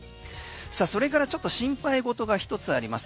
さあそれから心配事が１つあります。